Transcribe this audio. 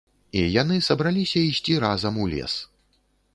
І яны сабраліся ісці разам у лес